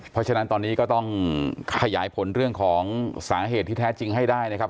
เพราะฉะนั้นตอนนี้ก็ต้องขยายผลเรื่องของสาเหตุที่แท้จริงให้ได้นะครับ